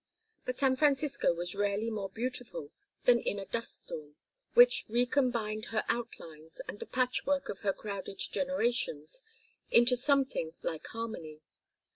But San Francisco was rarely more beautiful than in a dust storm, which recombined her outlines and the patchwork of her crowded generations into something like harmony.